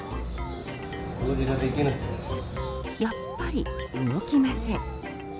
やっぱり動きません。